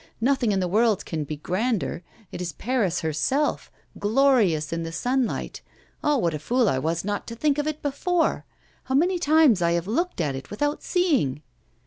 Nothing in the world can be grander; it is Paris herself, glorious in the sunlight. Ah! what a fool I was not to think of it before! How many times I have looked at it without seeing!